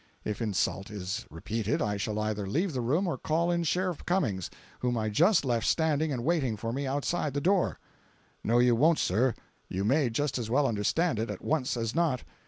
If insult is repeated I shall either leave the room or call in Sheriff Cummings, whom I just left standing and waiting for me outside the door." "No, you won't, sir. You may just as well understand it at once as not.